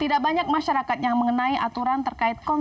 tidak banyak masyarakat yang mengenai aturan terkait